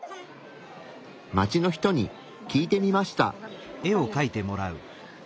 街の人に聞いてみました。